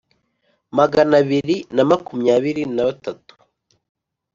magana abiri na makumyabiri na batatu